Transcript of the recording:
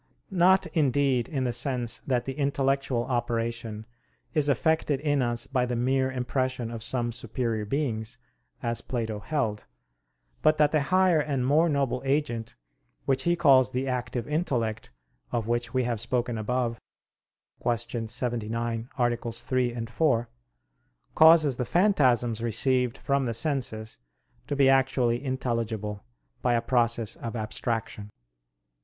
Not, indeed, in the sense that the intellectual operation is effected in us by the mere impression of some superior beings, as Plato held; but that the higher and more noble agent which he calls the active intellect, of which we have spoken above (Q. 79, AA. 3, 4) causes the phantasms received from the senses to be actually intelligible, by a process of abstraction.